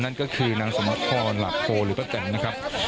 นั่นก็คือนางสมพรหลักโพหรือป้าแตนนะครับ